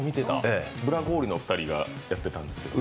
ブラゴーリのお二人がやってたんですけど。